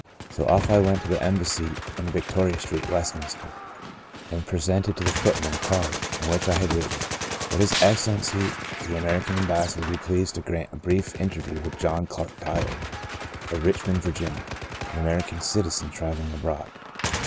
So off I went to the Embassy in Victoria Street, Westminster, and presented to the footman a card, on which I had writ ten —* Would His Excellency the American Ambassador be pleased to grant a brief inter view to John Clark Tyler, of Richmond, Vir ginia, an American citizen travelling abroad?